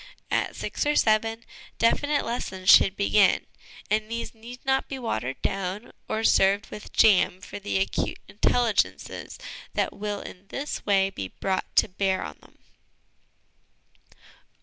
At six or seven, definite lessons should begin, and these need not be watered down or served with jam for the acute intelligences that will in this way be brought to bear on them.